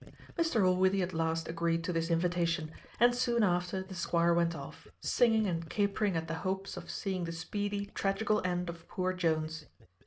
Mr Allworthy at last agreed to this invitation, and soon after the squire went off, singing and capering at the hopes of seeing the speedy tragical end of poor Jones.